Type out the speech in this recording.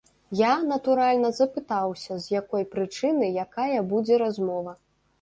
Я, натуральна, запытаўся, з якой прычыны, якая будзе размова.